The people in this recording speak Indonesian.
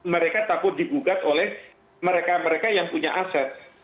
mereka takut digugat oleh mereka mereka yang punya aset